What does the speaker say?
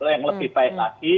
yang lebih baik lagi